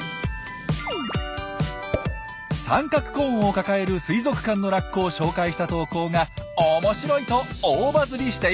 三角コーンを抱える水族館のラッコを紹介した投稿が「おもしろい」と大バズリしているんです！